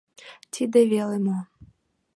Тиде веле мо!